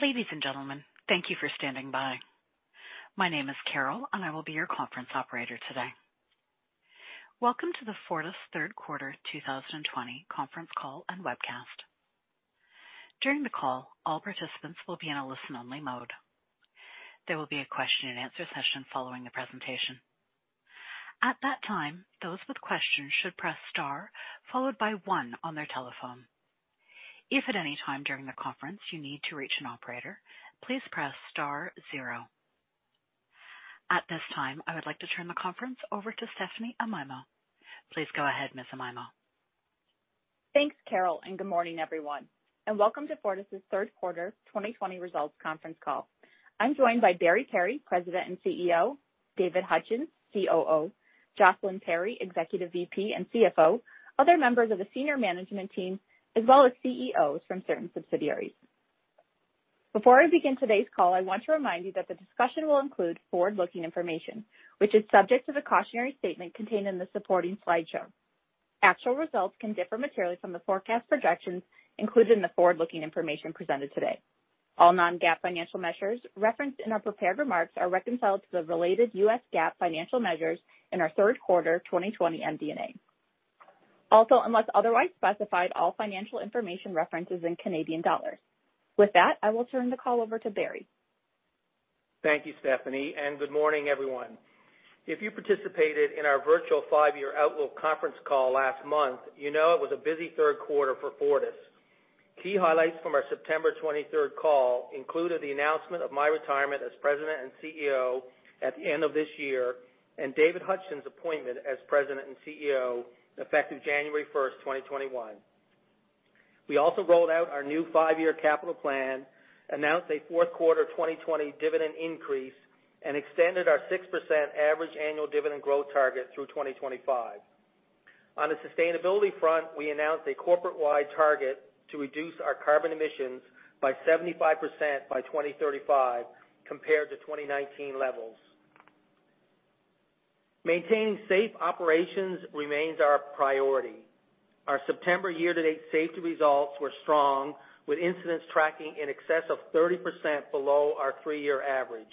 Ladies and gentlemen, thank you for standing by. My name is Carol, and I will be your conference operator today. Welcome to the Fortis third quarter 2020 conference call and webcast. During the call, all participants will be in a listen-only mode. There will be a question and answer session following the presentation. At that time, those with questions should press star followed by one on their telephone. If at any time during the conference you need to reach an operator, please press star zero. At this time, I would like to turn the conference over to Stephanie Amaimo. Please go ahead, Ms. Amaimo. Thanks, Carol, good morning, everyone, and welcome to Fortis's third quarter 2020 results conference call. I'm joined by Barry Perry, President and CEO, David Hutchens, COO, Jocelyn Perry, Executive VP and CFO, other members of the senior management team, as well as CEOs from certain subsidiaries. Before I begin today's call, I want to remind you that the discussion will include forward-looking information, which is subject to the cautionary statement contained in the supporting slideshow. Actual results can differ materially from the forecast projections included in the forward-looking information presented today. All non-GAAP financial measures referenced in our prepared remarks are reconciled to the related US GAAP financial measures in our third quarter 2020 MD&A. Unless otherwise specified, all financial information referenced is in Canadian dollars. With that, I will turn the call over to Barry. Thank you, Stephanie, and good morning, everyone. If you participated in our virtual five-year outlook conference call last month, you know it was a busy third quarter for Fortis. Key highlights from our September 23 call included the announcement of my retirement as President and CEO at the end of this year, and David Hutchens' appointment as President and CEO effective January 1st, 2021. We also rolled out our new five-year capital plan, announced a fourth quarter 2020 dividend increase, and extended our 6% average annual dividend growth target through 2025. On the sustainability front, we announced a corporate-wide target to reduce our carbon emissions by 75% by 2035 compared to 2019 levels. Maintaining safe operations remains our priority. Our September year-to-date safety results were strong, with incidents tracking in excess of 30% below our three-year average.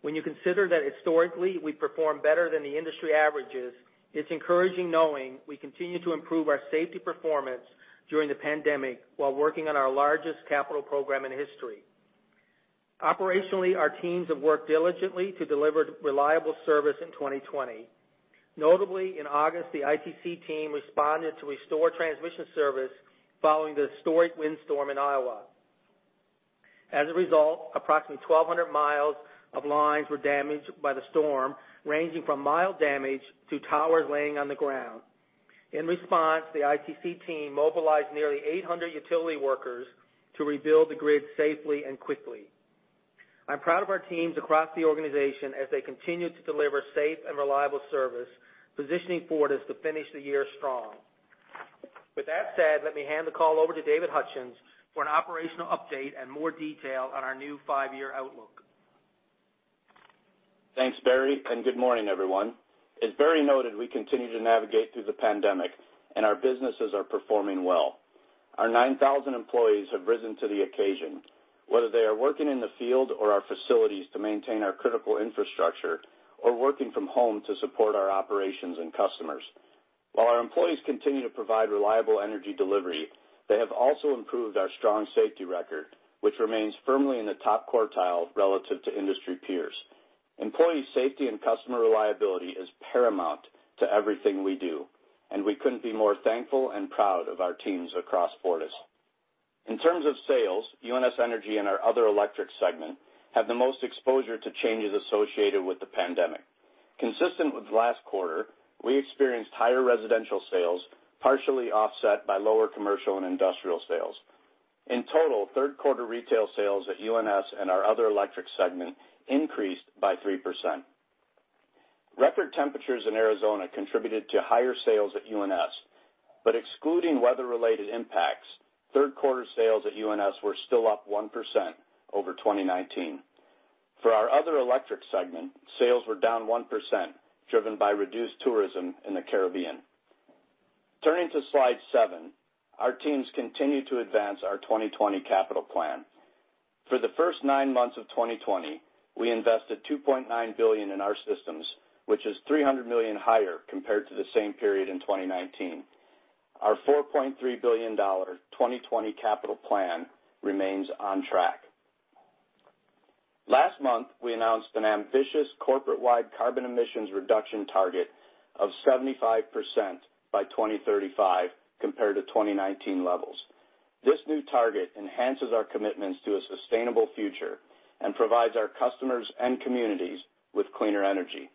When you consider that historically we perform better than the industry averages, it's encouraging knowing we continue to improve our safety performance during the pandemic while working on our largest capital program in history. Operationally, our teams have worked diligently to deliver reliable service in 2020. Notably, in August, the ITC team responded to restore transmission service following the historic windstorm in Iowa. As a result, approximately 1,200 mi of lines were damaged by the storm, ranging from mild damage to towers laying on the ground. In response, the ITC team mobilized nearly 800 utility workers to rebuild the grid safely and quickly. I'm proud of our teams across the organization as they continue to deliver safe and reliable service, positioning Fortis to finish the year strong. With that said, let me hand the call over to David Hutchens for an operational update and more detail on our new five-year outlook. Thanks, Barry, and good morning, everyone. As Barry noted, we continue to navigate through the pandemic and our businesses are performing well. Our 9,000 employees have risen to the occasion, whether they are working in the field or our facilities to maintain our critical infrastructure or working from home to support our operations and customers. While our employees continue to provide reliable energy delivery, they have also improved our strong safety record, which remains firmly in the top quartile relative to industry peers. Employee safety and customer reliability is paramount to everything we do, and we couldn't be more thankful and proud of our teams across Fortis. In terms of sales, UNS Energy and our other electric segment have the most exposure to changes associated with the pandemic. Consistent with last quarter, we experienced higher residential sales, partially offset by lower commercial and industrial sales. Third-quarter retail sales at UNS and our other electric segment increased by 3%. Record temperatures in Arizona contributed to higher sales at UNS, excluding weather-related impacts, third-quarter sales at UNS were still up 1% over 2019. For our other electric segment, sales were down 1%, driven by reduced tourism in the Caribbean. Turning to slide seven, our teams continue to advance our 2020 capital plan. For the first nine months of 2020, we invested 2.9 billion in our systems, which is 300 million higher compared to the same period in 2019. Our 4.3 billion dollar 2020 capital plan remains on track. Last month, we announced an ambitious corporate-wide carbon emissions reduction target of 75% by 2035 compared to 2019 levels. This new target enhances our commitments to a sustainable future and provides our customers and communities with cleaner energy.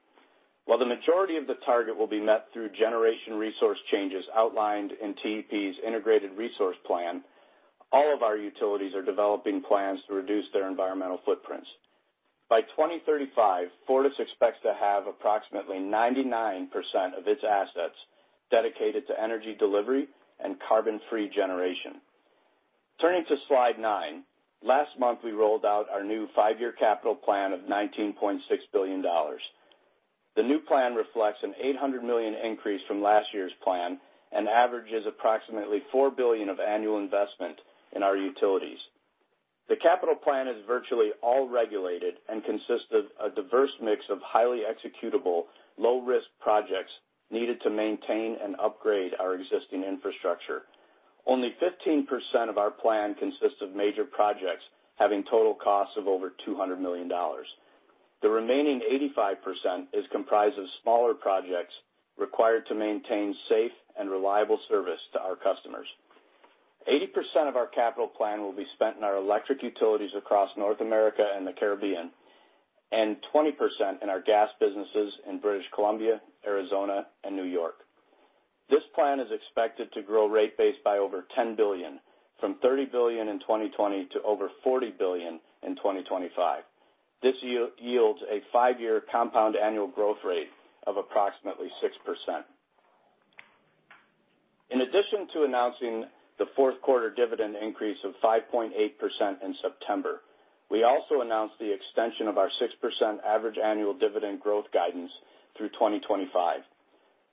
While the majority of the target will be met through generation resource changes outlined in TEP's Integrated Resource Plan, all of our utilities are developing plans to reduce their environmental footprints. By 2035, Fortis expects to have approximately 99% of its assets dedicated to energy delivery and carbon-free generation. Turning to slide nine, last month, we rolled out our new five-year capital plan of 19.6 billion dollars. The new plan reflects a 800 million increase from last year's plan and averages approximately 4 billion of annual investment in our utilities. The capital plan is virtually all regulated and consists of a diverse mix of highly executable, low-risk projects needed to maintain and upgrade our existing infrastructure. Only 15% of our plan consists of major projects having total costs of over 200 million dollars. The remaining 85% is comprised of smaller projects required to maintain safe and reliable service to our customers. 80% of our capital plan will be spent in our electric utilities across North America and the Caribbean, and 20% in our gas businesses in British Columbia, Arizona and New York. This plan is expected to grow rate base by over 10 billion from 30 billion in 2020 to over 40 billion in 2025. This yields a five-year compound annual growth rate of approximately 6%. In addition to announcing the fourth quarter dividend increase of 5.8% in September, we also announced the extension of our 6% average annual dividend growth guidance through 2025.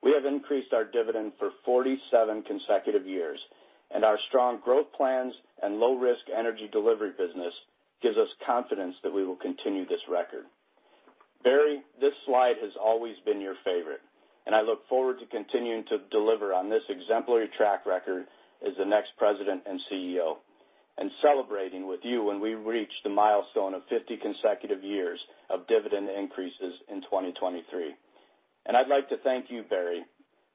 We have increased our dividend for 47 consecutive years, and our strong growth plans and low-risk energy delivery business gives us confidence that we will continue this record. Barry, this slide has always been your favorite, and I look forward to continuing to deliver on this exemplary track record as the next president and CEO, and celebrating with you when we reach the milestone of 50 consecutive years of dividend increases in 2023. I'd like to thank you, Barry,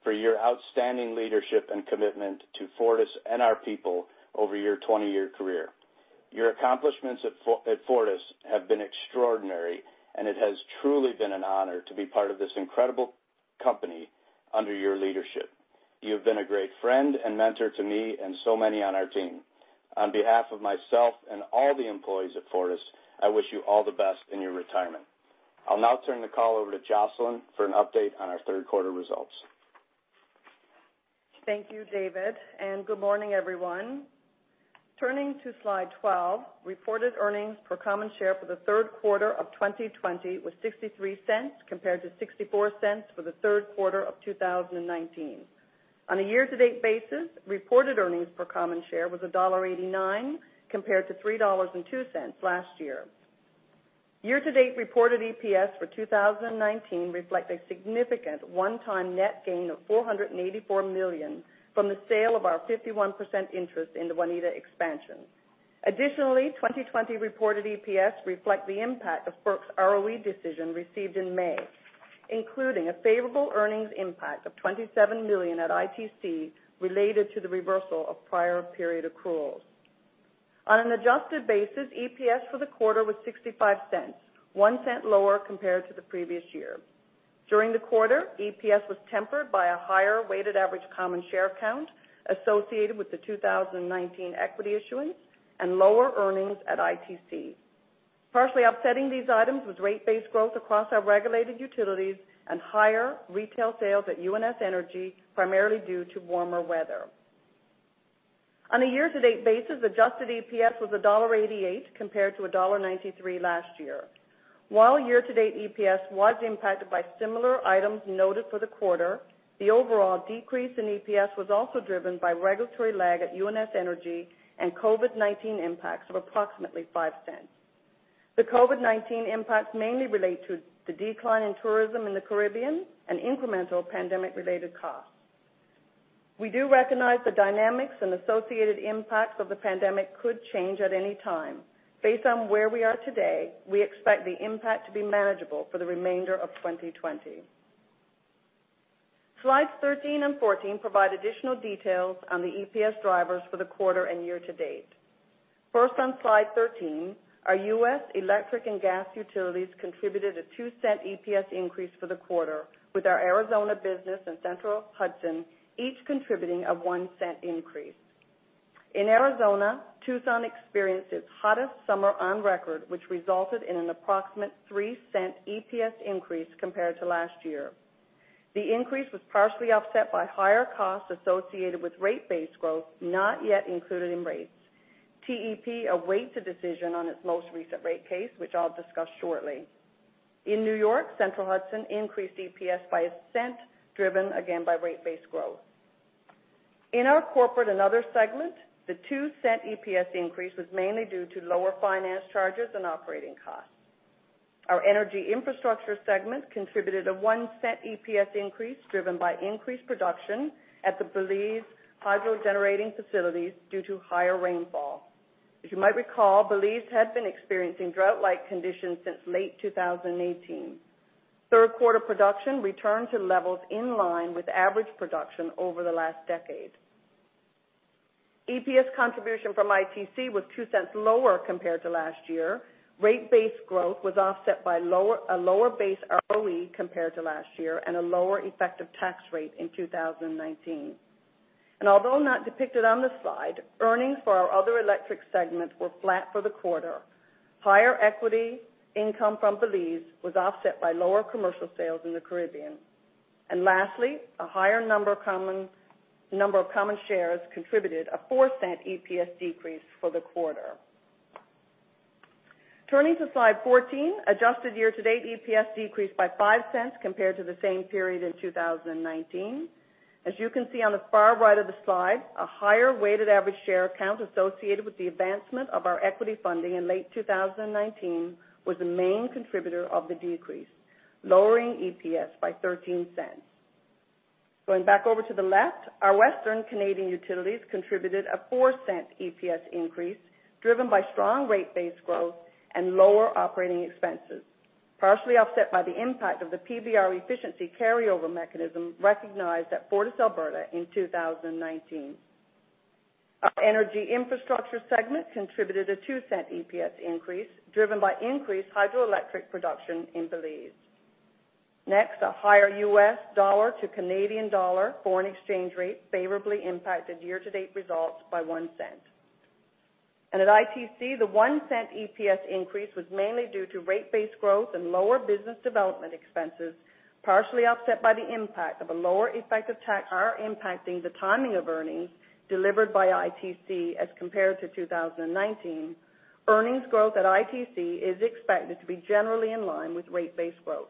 for your outstanding leadership and commitment to Fortis and our people over your 20-year career. Your accomplishments at Fortis have been extraordinary, and it has truly been an honor to be part of this incredible company under your leadership. You've been a great friend and mentor to me and so many on our team. On behalf of myself and all the employees at Fortis, I wish you all the best in your retirement. I'll now turn the call over to Jocelyn for an update on our third quarter results. Thank you, David, and good morning, everyone. Turning to slide 12, reported earnings per common share for the third quarter of 2020 was 0.63 compared to 0.64 for the third quarter of 2019. On a year-to-date basis, reported earnings per common share was dollar 1.89 compared to 3.02 dollars last year. Year-to-date reported EPS for 2019 reflect a significant one-time net gain of 484 million from the sale of our 51% interest in the Waneta expansion. Additionally, 2020 reported EPS reflect the impact of FERC's ROE decision received in May, including a favorable earnings impact of 27 million at ITC related to the reversal of prior period accruals. On an adjusted basis, EPS for the quarter was 0.65, 0.01 lower compared to the previous year. During the quarter, EPS was tempered by a higher weighted average common share count associated with the 2019 equity issuance and lower earnings at ITC. Partially offsetting these items was rate-based growth across our regulated utilities and higher retail sales at UNS Energy, primarily due to warmer weather. On a year-to-date basis, adjusted EPS was dollar 1.88 compared to dollar 1.93 last year. While year-to-date EPS was impacted by similar items noted for the quarter, the overall decrease in EPS was also driven by regulatory lag at UNS Energy and COVID-19 impacts of approximately 0.05. The COVID-19 impacts mainly relate to the decline in tourism in the Caribbean and incremental pandemic-related costs. We do recognize the dynamics and associated impacts of the pandemic could change at any time. Based on where we are today, we expect the impact to be manageable for the remainder of 2020. Slides 13 and 14 provide additional details on the EPS drivers for the quarter and year-to-date. First, on slide 13, our U.S. electric and gas utilities contributed a CAD 0.02 EPS increase for the quarter with our Arizona business and Central Hudson each contributing a 0.01 increase. In Arizona, Tucson experienced its hottest summer on record, which resulted in an approximate 0.03 EPS increase compared to last year. The increase was partially offset by higher costs associated with rate-based growth not yet included in rates. TEP awaits a decision on its most recent rate case, which I'll discuss shortly. In New York, Central Hudson increased EPS by CAD 0.01, driven again by rate-based growth. In our corporate and other segment, the CAD 0.02 EPS increase was mainly due to lower finance charges and operating costs. Our energy infrastructure segment contributed a 0.01 EPS increase, driven by increased production at the Belize Hydro generating facilities due to higher rainfall. As you might recall, Belize had been experiencing drought-like conditions since late 2018. Third quarter production returned to levels in line with average production over the last decade. EPS contribution from ITC was 0.02 lower compared to last year. Rate-based growth was offset by a lower base ROE compared to last year and a lower effective tax rate in 2019. Although not depicted on this slide, earnings for our other electric segments were flat for the quarter. Higher equity income from Belize was offset by lower commercial sales in the Caribbean. Lastly, a higher number of common shares contributed a 0.04 EPS decrease for the quarter. Turning to slide 14, adjusted year-to-date EPS decreased by 0.05 compared to the same period in 2019. As you can see on the far right of the slide, a higher weighted average share count associated with the advancement of our equity funding in late 2019 was the main contributor of the decrease, lowering EPS by 0.13. Going back over to the left, our Western Canadian utilities contributed a 0.04 EPS increase, driven by strong rate base growth and lower operating expenses, partially offset by the impact of the PBR efficiency carryover mechanism recognized at FortisAlberta in 2019. Our energy infrastructure segment contributed a 0.02 EPS increase, driven by increased hydroelectric production in Belize. A higher U.S. dollar to Canadian dollar foreign exchange rate favorably impacted year-to-date results by 0.01. At ITC, the 0.01 EPS increase was mainly due to rate-base growth and lower business development expenses, partially offset by the impact of a lower effective tax rate impacting the timing of earnings delivered by ITC as compared to 2019. Earnings growth at ITC is expected to be generally in line with rate-base growth.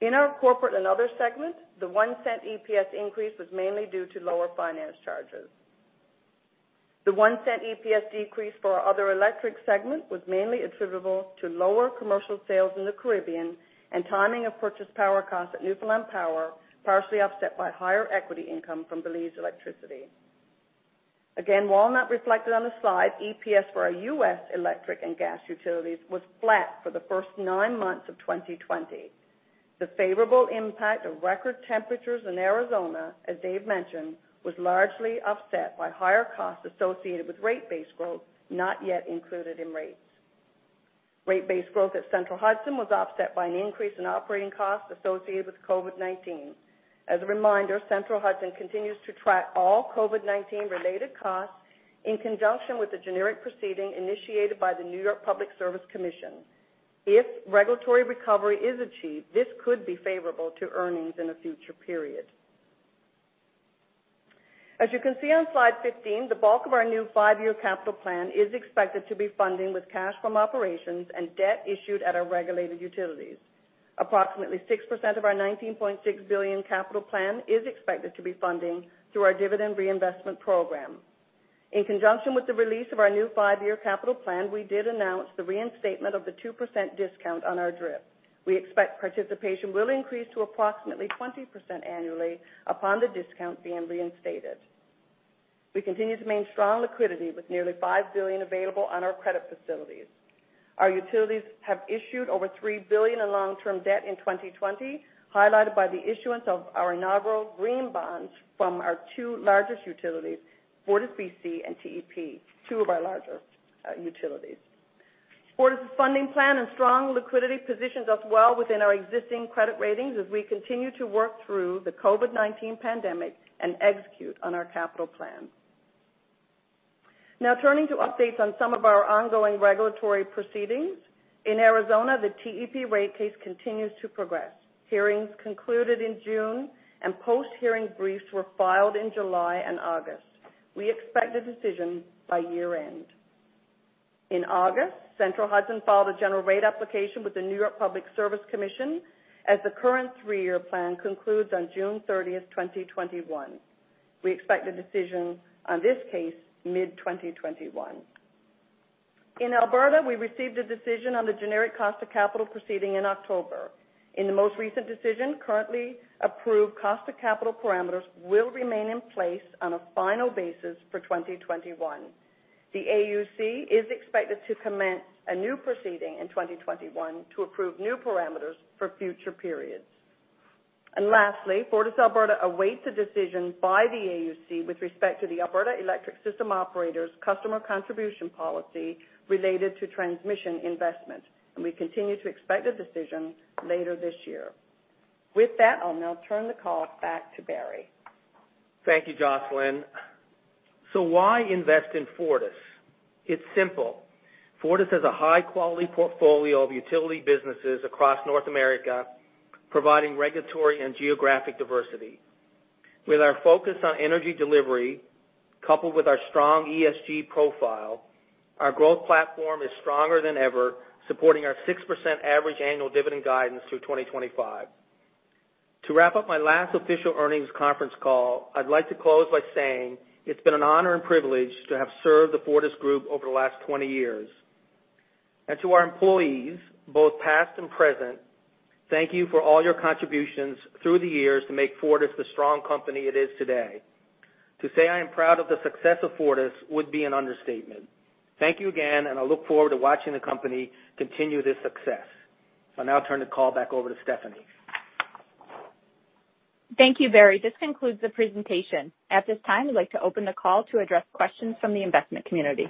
In our corporate and other segments, the 0.01 EPS increase was mainly due to lower finance charges. The 0.01 EPS decrease for our other electric segment was mainly attributable to lower commercial sales in the Caribbean and timing of purchase power costs at Newfoundland Power, partially offset by higher equity income from Belize Electricity. Again, while not reflected on the slide, EPS for our U.S. electric and gas utilities was flat for the first nine months of 2020. The favorable impact of record temperatures in Arizona, as Dave mentioned, was largely offset by higher costs associated with rate-based growth not yet included in rates. Rate-based growth at Central Hudson was offset by an increase in operating costs associated with COVID-19. As a reminder, Central Hudson continues to track all COVID-19-related costs in conjunction with the generic proceeding initiated by the New York Public Service Commission. If regulatory recovery is achieved, this could be favorable to earnings in a future period. As you can see on slide 15, the bulk of our new five-year capital plan is expected to be funding with cash from operations and debt issued at our regulated utilities. Approximately 6% of our 19.6 billion capital plan is expected to be funding through our dividend reinvestment program. In conjunction with the release of our new five-year capital plan, we did announce the reinstatement of the 2% discount on our DRIP. We expect participation will increase to approximately 20% annually upon the discount being reinstated. We continue to maintain strong liquidity with nearly 5 billion available on our credit facilities. Our utilities have issued over 3 billion in long-term debt in 2020, highlighted by the issuance of our inaugural green bonds from our two largest utilities, FortisBC and TEP, two of our larger utilities. Fortis' funding plan and strong liquidity positions us well within our existing credit ratings as we continue to work through the COVID-19 pandemic and execute on our capital plan. Now turning to updates on some of our ongoing regulatory proceedings. In Arizona, the TEP rate case continues to progress. Hearings concluded in June, and post-hearing briefs were filed in July and August. We expect a decision by year-end. In August, Central Hudson filed a general rate application with the New York Public Service Commission, as the current three-year plan concludes on June 30th, 2021. We expect a decision on this case mid-2021. In Alberta, we received a decision on the generic cost of capital proceeding in October. In the most recent decision, currently approved cost of capital parameters will remain in place on a final basis for 2021. The AUC is expected to commence a new proceeding in 2021 to approve new parameters for future periods. Lastly, FortisAlberta awaits a decision by the AUC with respect to the Alberta Electric System Operator's customer contribution policy related to transmission investment, and we continue to expect a decision later this year. With that, I'll now turn the call back to Barry. Thank you, Jocelyn. Why invest in Fortis? It's simple. Fortis has a high-quality portfolio of utility businesses across North America, providing regulatory and geographic diversity. With our focus on energy delivery, coupled with our strong ESG profile, our growth platform is stronger than ever, supporting our 6% average annual dividend guidance through 2025. To wrap up my last official earnings conference call, I'd like to close by saying it's been an honor and privilege to have served the Fortis group over the last 20 years. To our employees, both past and present, thank you for all your contributions through the years to make Fortis the strong company it is today. To say I am proud of the success of Fortis would be an understatement. Thank you again, and I look forward to watching the company continue this success. I'll now turn the call back over to Stephanie. Thank you, Barry. This concludes the presentation. At this time, I'd like to open the call to address questions from the investment community.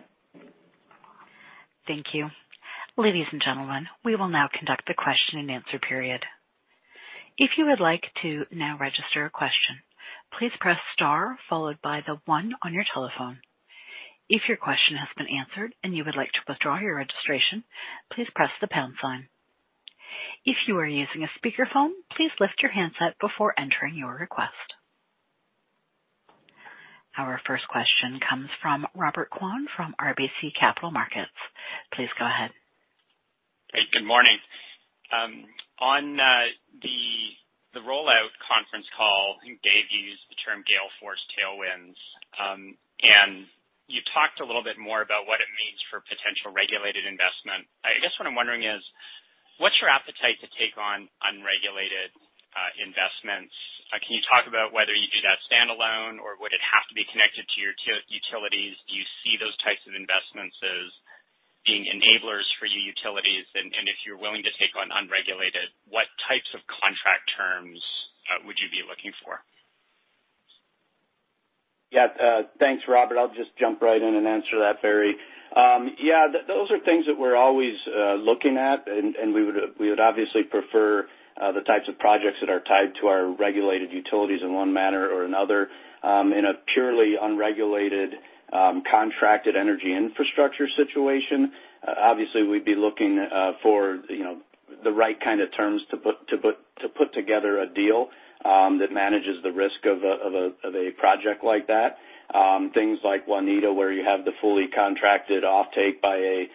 Thank you. Ladies and gentlemen, we will now conduct the question-and-answer period. If you would like to now register a question, please press star followed by the one on your telephone. If your question has been answered and you would like to withdraw your registration, please press the pound sign. If you are using a speakerphone, please lift your handset before entering your request. Our first question comes from Robert Kwan from RBC Capital Markets. Please go ahead. Hey, good morning. On the rollout conference call, I think Dave used the term gale force tailwinds. You talked a little bit more about what it means for potential regulated investment. I guess what I'm wondering is, what's your appetite to take on unregulated investments? Can you talk about whether you do that standalone, or would it have to be connected to your utilities? Do you see those types of investments as being enablers for your utilities? If you're willing to take on unregulated, what types of contract terms would you be looking for? Yeah. Thanks, Robert. I'll just jump right in and answer that, Barry. Yeah, those are things that we're always looking at, and we would obviously prefer the types of projects that are tied to our regulated utilities in one manner or another. In a purely unregulated, contracted energy infrastructure situation, obviously, we'd be looking for the right kind of terms to put together a deal that manages the risk of a project like that. Things like Waneta, where you have the fully contracted offtake by a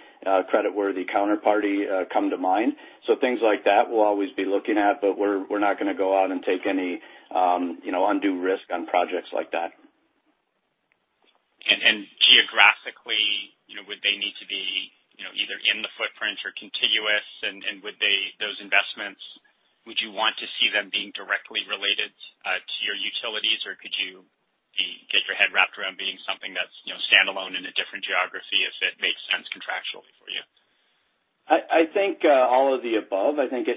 creditworthy counterparty, come to mind. Things like that we'll always be looking at, but we're not going to go out and take any undue risk on projects like that. Geographically, would they need to be either in the footprint or contiguous? Would those investments, would you want to see them being directly related to your utilities? Could you get your head wrapped around being something that's standalone in a different geography if it makes sense contractually for you? I think all of the above. I think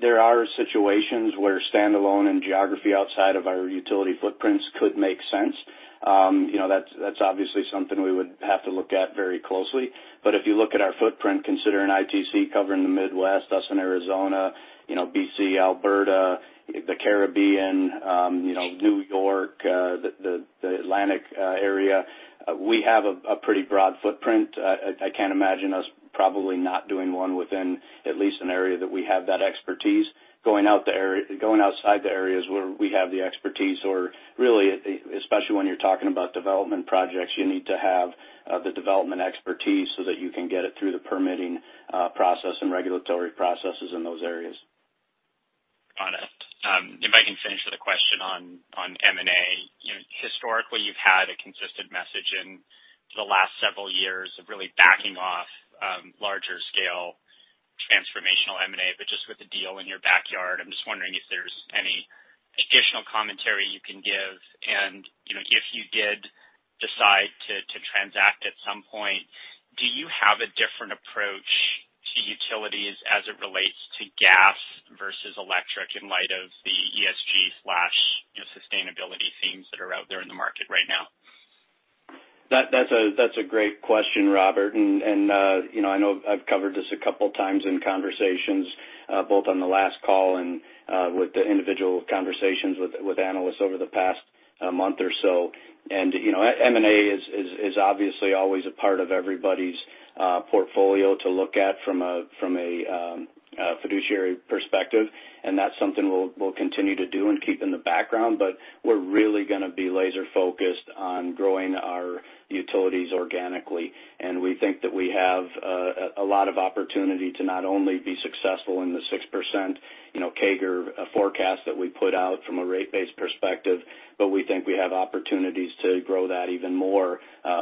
there are situations where standalone and geography outside of our utility footprints could make sense. That's obviously something we would have to look at very closely. If you look at our footprint, considering ITC covering the Midwest, us in Arizona, B.C., Alberta, the Caribbean, New York, the Atlantic area, we have a pretty broad footprint. I can't imagine us probably not doing one within at least an area that we have that expertise. Going outside the areas where we have the expertise, or really, especially when you're talking about development projects, you need to have the development expertise so that you can get it through the permitting process and regulatory processes in those areas. Got it. If I can finish with a question on M&A. Historically, you've had a consistent message in the last several years of really backing off larger scale transformational M&A, but just with the deal in your backyard, I'm just wondering if there's any additional commentary you can give. If you did decide to transact at some point, do you have a different approach to utilities as it relates to gas versus electric in light of the ESG/sustainability themes that are out there in the market right now? That's a great question, Robert. I know I've covered this a couple of times in conversations both on the last call and with the individual conversations with analysts over the past month or so. M&A is obviously always a part of everybody's portfolio to look at from a fiduciary perspective, and that's something we'll continue to do and keep in the background. We're really going to be laser-focused on growing our utilities organically. We think that we have a lot of opportunity to not only be successful in the 6% CAGR forecast that we put out from a rate-based perspective, but we think we have opportunities to grow that even more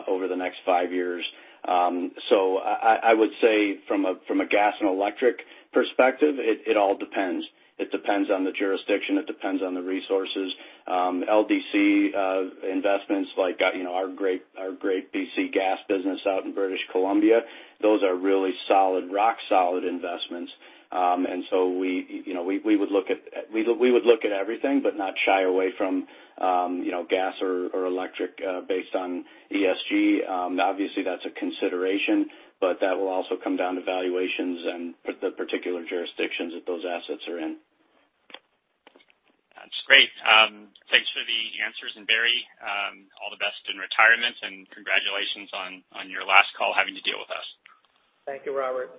over the next five years. I would say from a gas and electric perspective, it all depends. It depends on the jurisdiction. It depends on the resources. LDC investments like our great B.C. gas business out in British Columbia, those are really rock-solid investments. We would look at everything, but not shy away from gas or electric based on ESG. Obviously, that's a consideration, but that will also come down to valuations and the particular jurisdictions that those assets are in. That's great. Thanks for the answers. Barry, all the best in retirement, and congratulations on your last call having to deal with us. Thank you, Robert.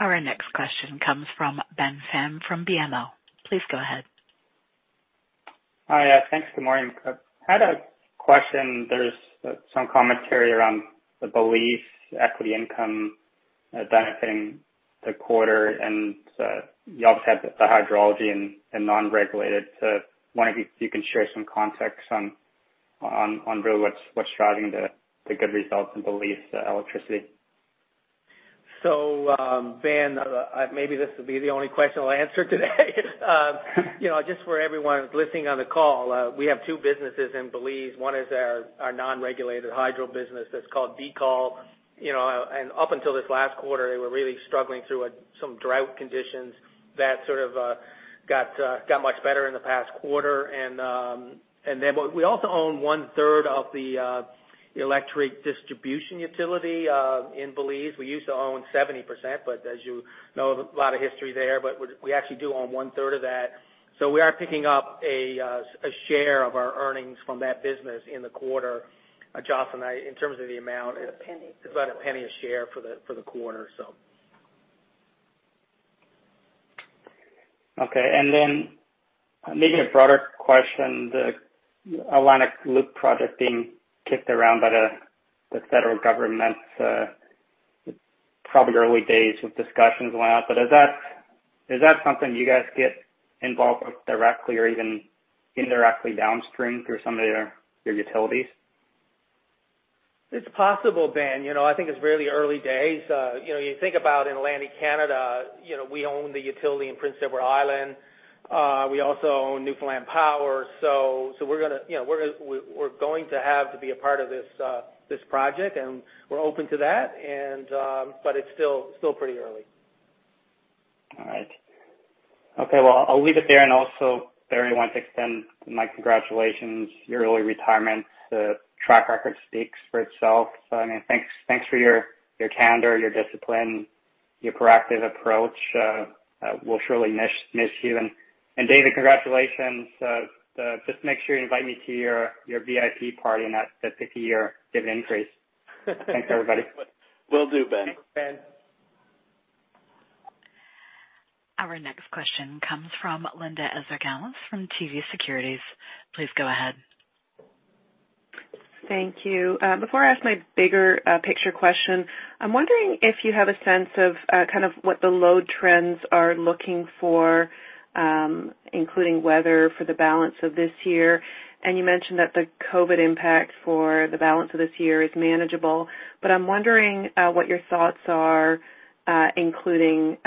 Our next question comes from Ben Pham from BMO. Please go ahead. Hi. Thanks. Good morning. I had a question. There's some commentary around the Belize equity income benefiting the quarter, and you obviously have the hydrology and non-regulated. Wondering if you can share some context on really what's driving the good results in Belize electricity. Ben, maybe this will be the only question I'll answer today. Just for everyone listening on the call, we have two businesses in Belize. One is our non-regulated hydro business that's called BECOL. Up until this last quarter, they were really struggling through some drought conditions that sort of got much better in the past quarter. We also own one-third of the electric distribution utility in Belize. We used to own 70%, as you know, a lot of history there, we actually do own one-third of that. We are picking up a share of our earnings from that business in the quarter. Jocelyn, in terms of the amount- About CAD 0.01. It's about CAD 0.01 a share for the quarter. Okay. Maybe a broader question, the Atlantic Loop project being kicked around by the federal government. It's probably early days with discussions around. Is that something you guys get involved with directly or even indirectly downstream through some of your utilities? It's possible, Ben. I think it's really early days. You think about Atlantic Canada, we own the utility in Prince Edward Island. We also own Newfoundland Power. We're going to have to be a part of this project, and we're open to that. It's still pretty early. All right. Okay, well, I'll leave it there. Also, Barry, I want to extend my congratulations. Your early retirement track record speaks for itself. Thanks for your candor, your discipline, your proactive approach. We'll surely miss you. David, congratulations. Just make sure you invite me to your VIP party and that 50-year dividend increase. Thanks, everybody. Will do, Ben. Thanks, Ben. Our next question comes from Linda Ezergailis from TD Securities. Please go ahead. Thank you. Before I ask my bigger picture question, I'm wondering if you have a sense of what the load trends are looking for, including weather for the balance of this year. You mentioned that the COVID impact for the balance of this year is manageable, but I'm wondering what your thoughts are including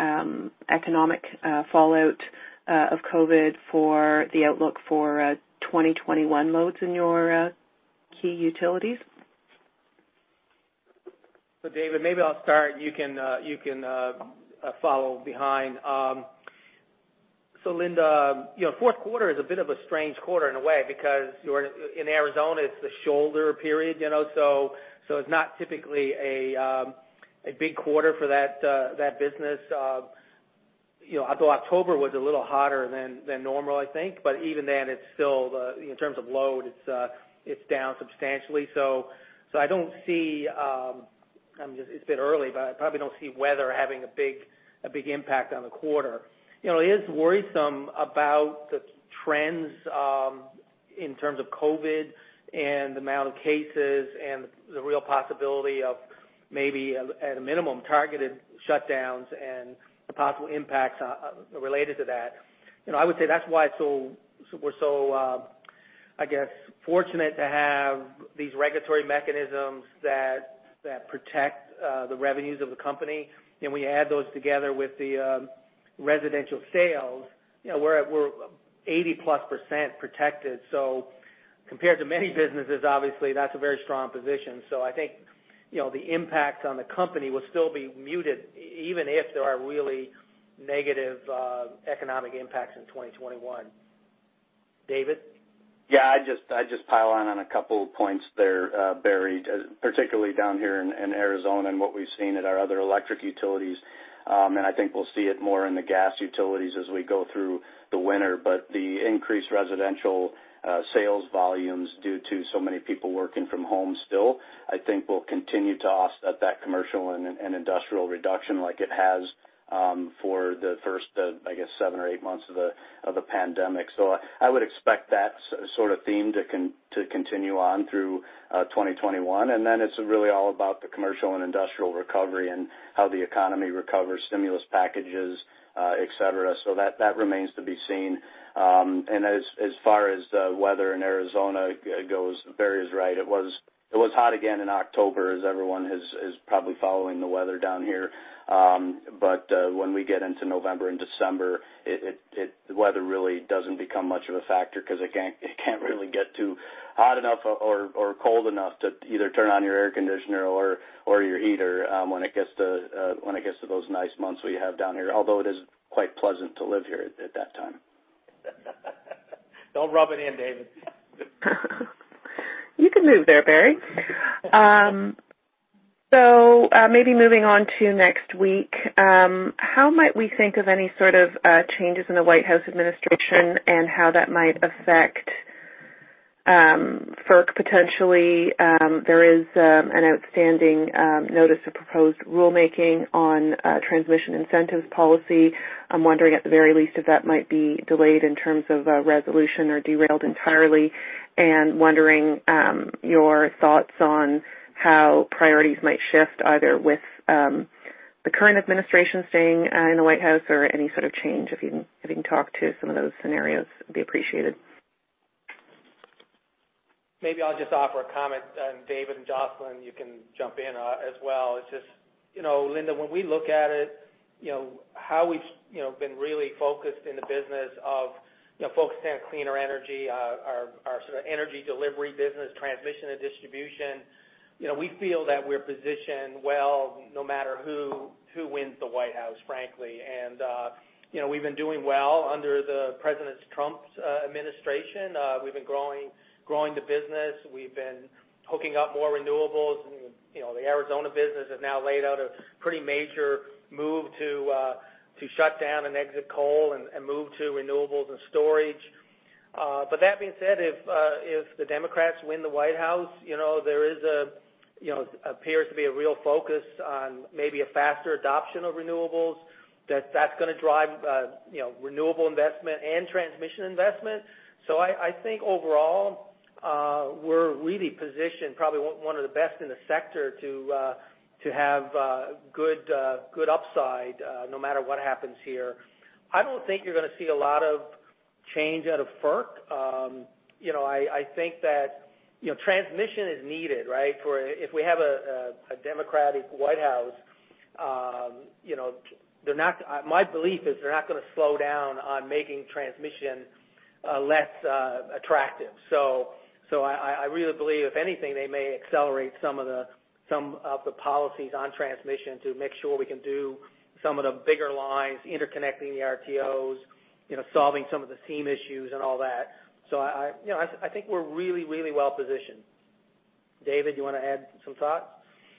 economic fallout of COVID for the outlook for 2021 loads in your key utilities? David, maybe I'll start, and you can follow behind. Linda, fourth quarter is a bit of a strange quarter in a way, because in Arizona, it's the shoulder period. It's not typically a big quarter for that business. Although October was a little hotter than normal, I think. Even then, in terms of load, it's down substantially. I don't see, it's a bit early, but I probably don't see weather having a big impact on the quarter. It is worrisome about the trends in terms of COVID and the amount of cases and the real possibility of maybe, at a minimum, targeted shutdowns and the possible impacts related to that. I would say that's why we're so, I guess, fortunate to have these regulatory mechanisms that protect the revenues of the company. When you add those together with the residential sales, we're 80%+ protected. Compared to many businesses, obviously, that's a very strong position. I think the impact on the company will still be muted, even if there are really negative economic impacts in 2021. David? Yeah, I'd just pile on a couple points there, Barry. Particularly down here in Arizona and what we've seen at our other electric utilities. I think we'll see it more in the gas utilities as we go through the winter. The increased residential sales volumes due to so many people working from home still, I think will continue to offset that commercial and industrial reduction like it has for the first, I guess, seven or eight months of the pandemic. I would expect that sort of theme to continue on through 2021. It's really all about the commercial and industrial recovery and how the economy recovers, stimulus packages, et cetera. That remains to be seen. As far as the weather in Arizona goes, Barry is right. It was hot again in October, as everyone is probably following the weather down here. When we get into November and December, the weather really doesn't become much of a factor because it can't really get too hot enough or cold enough to either turn on your air conditioner or your heater when it gets to those nice months we have down here. Although it is quite pleasant to live here at that time. Don't rub it in, David. You can move there, Barry. Maybe moving on to next week. How might we think of any sort of changes in the White House administration and how that might affect FERC potentially? There is an outstanding notice of proposed rulemaking on transmission incentives policy. I'm wondering at the very least if that might be delayed in terms of a resolution or derailed entirely. Wondering your thoughts on how priorities might shift, either with the current administration staying in the White House or any sort of change. If you can talk to some of those scenarios, it'd be appreciated. Maybe I'll just offer a comment, and David and Jocelyn, you can jump in as well. It's just, Linda, when we look at it, how we've been really focused in the business of focusing on cleaner energy, our sort of energy delivery business, transmission, and distribution. We feel that we're positioned well no matter who wins the White House, frankly. We've been doing well under President Trump's administration. We've been growing the business. We've been hooking up more renewables. The Arizona business has now laid out a pretty major move to shut down and exit coal and move to renewables and storage. That being said, if the Democrats win the White House, there appears to be a real focus on maybe a faster adoption of renewables, that's going to drive renewable investment and transmission investment. I think overall, we're really positioned, probably one of the best in the sector, to have good upside, no matter what happens here. I don't think you're going to see a lot of change out of FERC. I think that transmission is needed, right? If we have a Democratic White House, my belief is they're not going to slow down on making transmission less attractive. I really believe, if anything, they may accelerate some of the policies on transmission to make sure we can do some of the bigger lines, interconnecting the RTOs, solving some of the seam issues and all that. I think we're really, really well-positioned. David, you want to add some thoughts?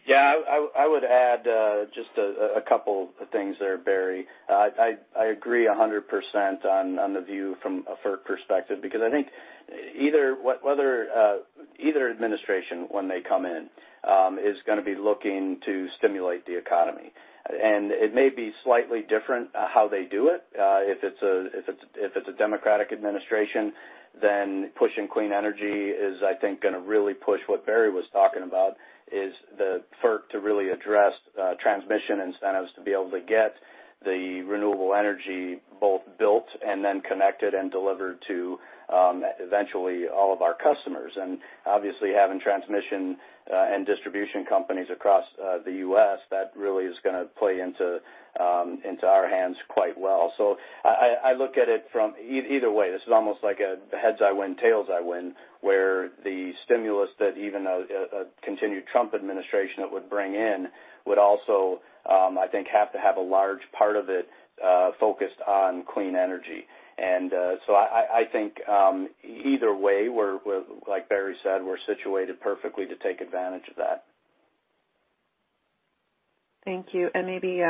Yeah, I would add just a couple of things there, Barry. I agree 100% on the view from a FERC perspective, because I think either administration, when they come in, is going to be looking to stimulate the economy. It may be slightly different how they do it. If it's a Democratic administration, then pushing clean energy is, I think, going to really push what Barry was talking about, is the FERC to really address transmission incentives to be able to get the renewable energy both built and then connected and delivered to, eventually, all of our customers. Obviously, having transmission and distribution companies across the U.S., that really is going to play into our hands quite well. I look at it from either way. This is almost like a heads I win, tails I win, where the stimulus that even a continued Trump administration that would bring in would also, I think, have to have a large part of it focused on clean energy. I think, either way, like Barry said, we're situated perfectly to take advantage of that. Thank you. Maybe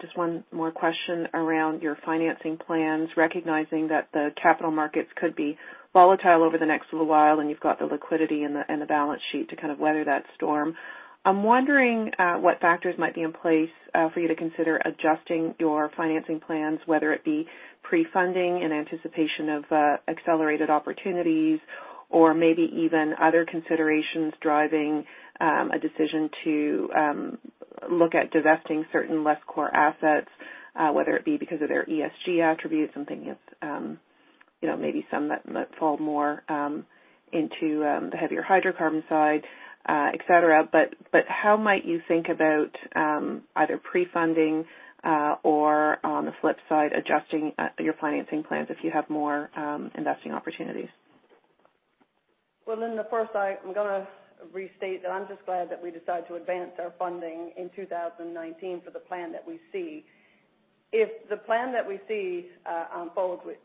just one more question around your financing plans, recognizing that the capital markets could be volatile over the next little while, and you've got the liquidity and the balance sheet to kind of weather that storm. I'm wondering what factors might be in place for you to consider adjusting your financing plans, whether it be pre-funding in anticipation of accelerated opportunities or maybe even other considerations driving a decision to look at divesting certain less core assets, whether it be because of their ESG attributes, I'm thinking of maybe some that fall more into the heavier hydrocarbon side, et cetera. How might you think about either pre-funding or on the flip side, adjusting your financing plans if you have more investing opportunities? Linda, first I'm going to restate that I'm just glad that we decided to advance our funding in 2019 for the plan that we see. If the plan that we see unfolds, which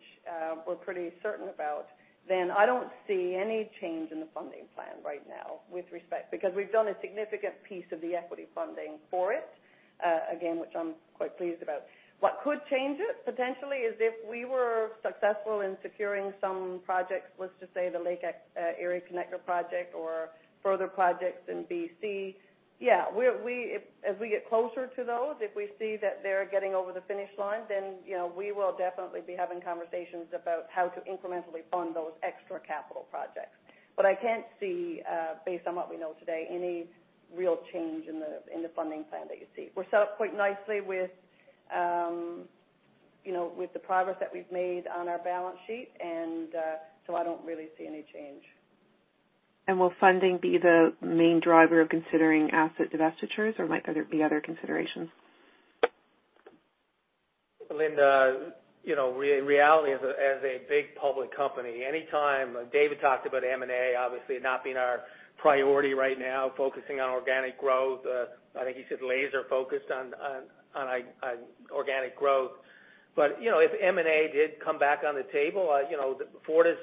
we're pretty certain about, I don't see any change in the funding plan right now, with respect. We've done a significant piece of the equity funding for it, again, which I'm quite pleased about. What could change it, potentially, is if we were successful in securing some projects, let's just say the Lake Erie Connector project or further projects in B.C. Yeah, as we get closer to those, if we see that they're getting over the finish line, we will definitely be having conversations about how to incrementally fund those extra capital projects. I can't see, based on what we know today, any real change in the funding plan that you see. We're set up quite nicely with the progress that we've made on our balance sheet. I don't really see any change. Will funding be the main driver of considering asset divestitures, or might there be other considerations? Linda, reality as a big public company, anytime, David talked about M&A obviously not being our priority right now, focusing on organic growth. I think he said laser-focused on organic growth. If M&A did come back on the table, Fortis,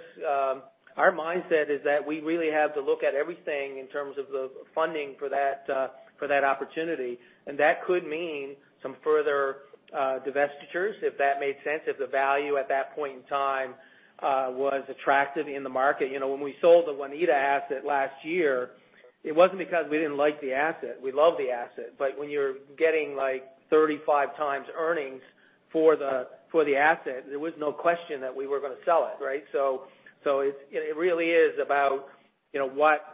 our mindset is that we really have to look at everything in terms of the funding for that opportunity. That could mean some further divestitures, if that made sense, if the value at that point in time was attractive in the market. When we sold the Waneta asset last year, it wasn't because we didn't like the asset. We love the asset. When you're getting 35x earnings for the asset, there was no question that we were going to sell it, right? It really is about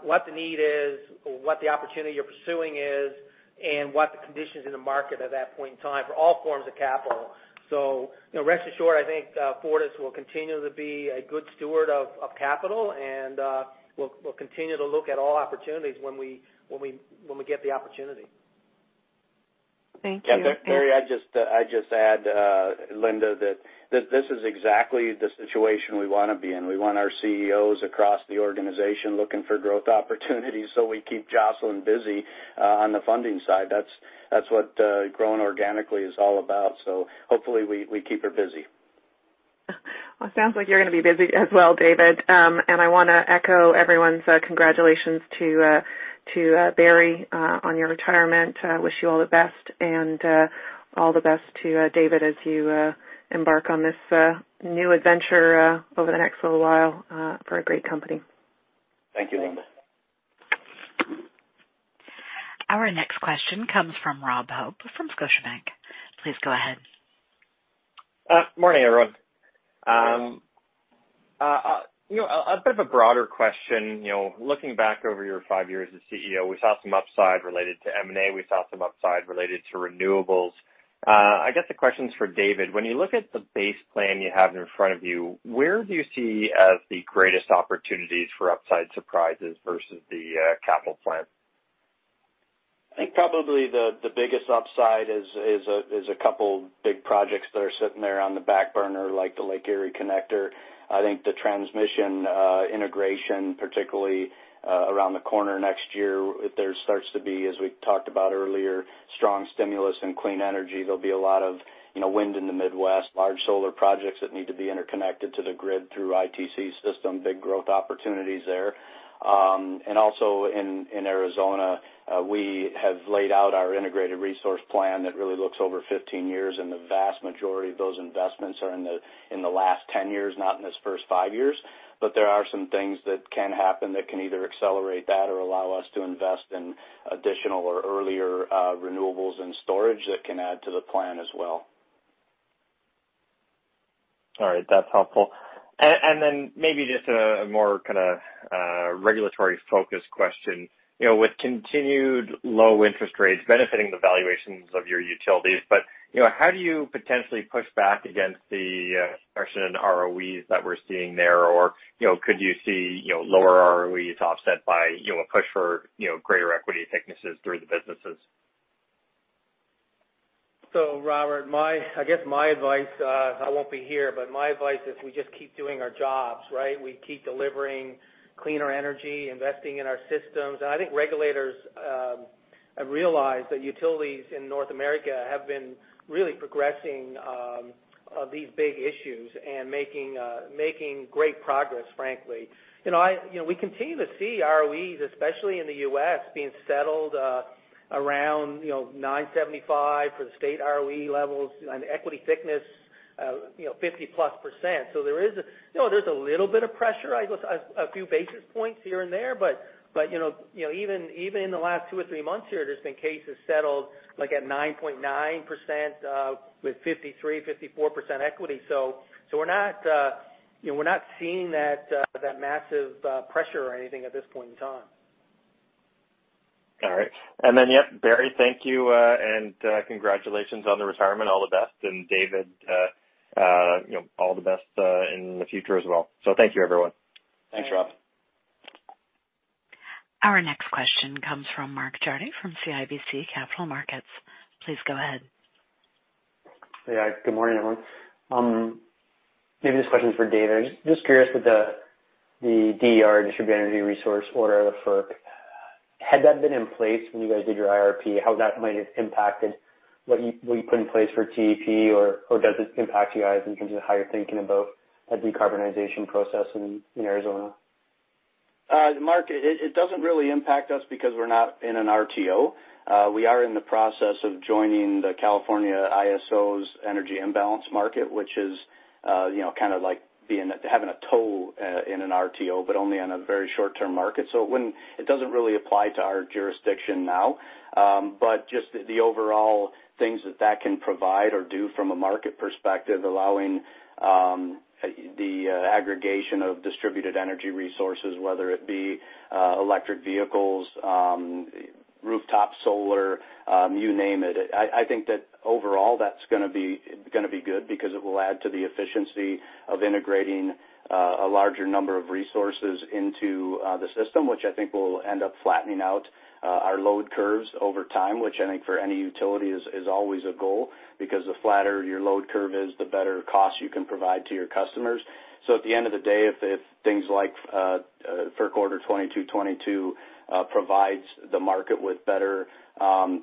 what the need is or what the opportunity you're pursuing is, and what the conditions in the market at that point in time for all forms of capital. Rest assured, I think Fortis will continue to be a good steward of capital, and we'll continue to look at all opportunities when we get the opportunity. Thank you. Barry, I'd just add, Linda, that this is exactly the situation we want to be in. We want our CEOs across the organization looking for growth opportunities so we keep Jocelyn busy on the funding side. That's what growing organically is all about. Hopefully we keep her busy. Well, sounds like you're going to be busy as well, David. I want to echo everyone's congratulations to Barry on your retirement. Wish you all the best, and all the best to David as you embark on this new adventure over the next little while for a great company. Thank you, Linda. Our next question comes from Rob Hope from Scotiabank. Please go ahead. Morning, everyone. Good morning. A bit of a broader question. Looking back over your five years as CEO, we saw some upside related to M&A, we saw some upside related to renewables. I guess the question's for David. When you look at the base plan you have in front of you, where do you see as the greatest opportunities for upside surprises versus the capital plan? I think probably the biggest upside is a couple big projects that are sitting there on the back burner, like the Lake Erie Connector. I think the transmission integration, particularly around the corner next year, if there starts to be, as we talked about earlier, strong stimulus in clean energy, there will be a lot of wind in the Midwest, large solar projects that need to be interconnected to the grid through ITC system, big growth opportunities there. Also in Arizona, we have laid out our Integrated Resource Plan that really looks over 15 years, and the vast majority of those investments are in the last 10 years, not in this first five years. There are some things that can happen that can either accelerate that or allow us to invest in additional or earlier renewables and storage that can add to the plan as well. All right, that's helpful. Then maybe just a more kind of regulatory-focused question. With continued low interest rates benefiting the valuations of your utilities, but how do you potentially push back against the reduction in ROEs that we're seeing there? Could you see lower ROEs offset by a push for greater equity thicknesses through the businesses? Robert, I guess my advice, I won't be here, but my advice is we just keep doing our jobs, right? We keep delivering cleaner energy, investing in our systems. I think regulators have realized that utilities in North America have been really progressing these big issues and making great progress, frankly. We continue to see ROEs, especially in the U.S., being settled around 9.75% for the state ROE levels and equity thickness of 50%+. There's a little bit of pressure, I guess a few basis points here and there, but even in the last two or three months here, there's been cases settled like at 9.9% with 53%-54% equity. We're not seeing that massive pressure or anything at this point in time. All right. Yeah, Barry, thank you, and congratulations on the retirement. All the best. David all the best in the future as well. Thank you everyone. Thanks, Rob. Our next question comes from Mark Jarvi from CIBC Capital Markets. Please go ahead. Yeah. Good morning, everyone. Maybe this question is for David. Just curious with the DER, distributed energy resource order, FERC, had that been in place when you guys did your IRP, how that might have impacted what you put in place for TEP, or does it impact you guys in terms of how you're thinking about a decarbonization process in Arizona? Mark, it doesn't really impact us because we're not in an RTO. We are in the process of joining the California ISO's energy imbalance market, which is kind of like having a toe in an RTO, but only on a very short-term market. It doesn't really apply to our jurisdiction now. Just the overall things that that can provide or do from a market perspective, allowing the aggregation of distributed energy resources, whether it be electric vehicles, rooftop solar, you name it. I think that overall, that's going to be good because it will add to the efficiency of integrating a larger number of resources into the system, which I think will end up flattening out our load curves over time, which I think for any utility is always a goal, because the flatter your load curve is, the better cost you can provide to your customers. At the end of the day, if things like FERC Order No. 2222 provides the market with better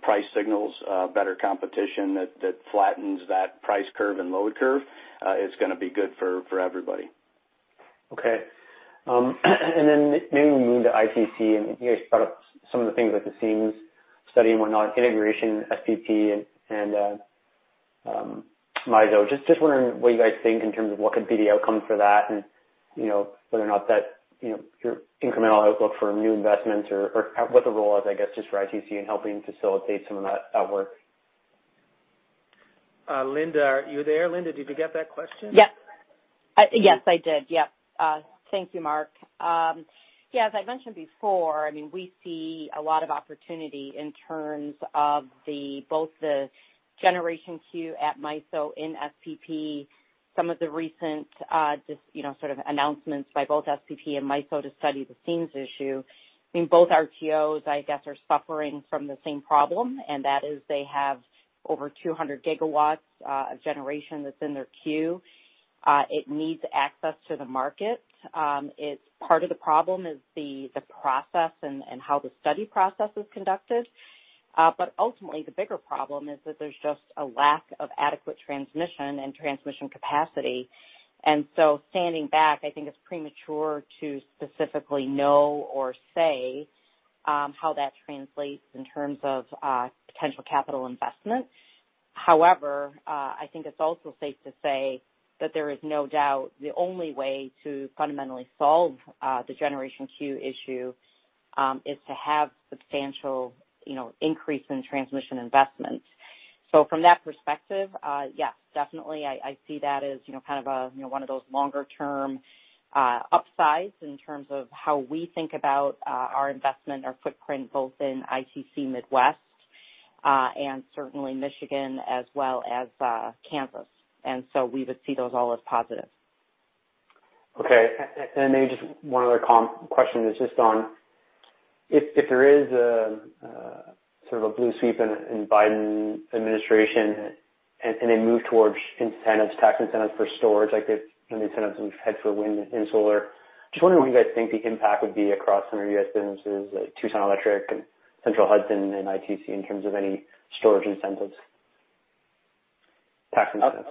price signals, better competition that flattens that price curve and load curve, it's going to be good for everybody. Okay. Maybe we move to ITC, and you guys brought up some of the things like the Seams Study and whatnot, generation, SPP, and MISO. Just wondering what you guys think in terms of what could be the outcome for that and whether or not that your incremental outlook for new investments or what the role is, I guess, just for ITC in helping facilitate some of that work. Linda, are you there? Linda, did you get that question? Yes, I did. Thank you, Mark. Yeah, as I mentioned before, we see a lot of opportunity in terms of both the generation queue at MISO and SPP. Some of the recent just sort of announcements by both SPP and MISO to study the seams issue. Both RTOs, I guess, are suffering from the same problem, and that is they have over 200 GW of generation that's in their queue. It needs access to the market. Part of the problem is the process and how the study process is conducted. Ultimately, the bigger problem is that there's just a lack of adequate transmission and transmission capacity. Standing back, I think it's premature to specifically know or say how that translates in terms of potential capital investment. However, I think it's also safe to say that there is no doubt the only way to fundamentally solve the generation queue issue is to have substantial increase in transmission investments. From that perspective, yes, definitely, I see that as one of those longer-term upsides in terms of how we think about our investment, our footprint, both in ITC Midwest and certainly Michigan as well as Kansas. We would see those all as positive. Okay. Maybe just one other question is just on if there is a sort of a blue sweep in Biden administration and a move towards incentives, tax incentives for storage, like the incentives we've had for wind and solar. Just wondering what you guys think the impact would be across some of your businesses like Tucson Electric and Central Hudson and ITC in terms of any storage incentives, tax incentives.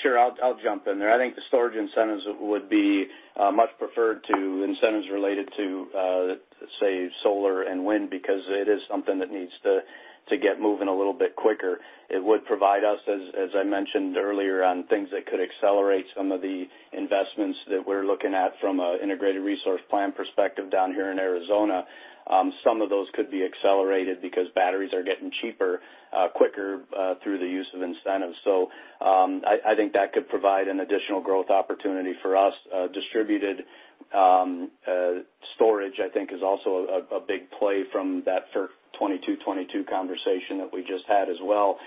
Sure. I'll jump in there. I think the storage incentives would be much preferred to incentives related to, say, solar and wind, because it is something that needs to get moving a little bit quicker. It would provide us, as I mentioned earlier, on things that could accelerate some of the investments that we're looking at from an integrated resource plan perspective down here in Arizona. Some of those could be accelerated because batteries are getting cheaper quicker through the use of incentives. I think that could provide an additional growth opportunity for us. Distributed storage, I think, is also a big play from that FERC 2222 conversation that we just had as well.